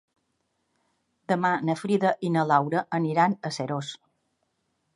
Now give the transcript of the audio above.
Demà na Frida i na Laura aniran a Seròs.